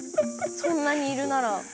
そんなにいるなら。